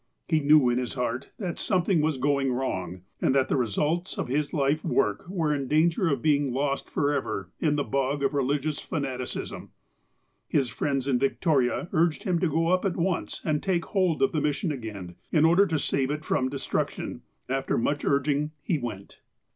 He knew in his heart that something was going wrong, and that the results of his life work were in danger of being lost forever in the bog of religious fanaticism. His friends in Victoria urged him to go up at once and take hold of the mission again, in order to save it from destruction. After much urging, he went.